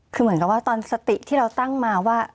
คือเหมือนกับว่าตอนสติที่เราตั้งมาว่า